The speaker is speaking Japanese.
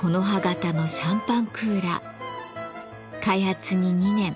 開発に２年。